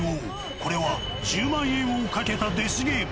これは１０万円をかけたデスゲーム。